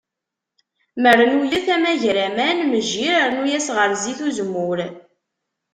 Marnuyet, amagraman, mejjir rnu-as ɣer zzit n uzemmur.